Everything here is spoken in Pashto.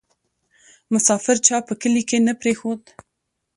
ـ مسافر چا په کلي کې نه پرېښود